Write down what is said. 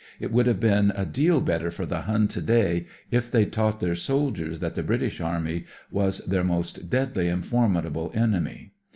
It would have been a deal better for the Hun to day if they'd taught their soldiers that the British Army was their most deadly and formid able enemy.